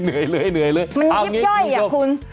มันยิบย่อยอ่ะคุณ